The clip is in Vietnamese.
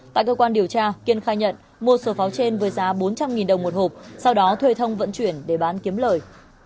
tại cơ quan điều tra kiên khai nhận mua số pháo trên với giá bốn trăm linh đồng một hộp sau đó thuê thông vận chuyển để bán kiếm lời